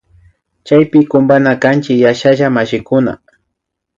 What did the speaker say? Chaymi kumpana kanchik yashalla mashikuna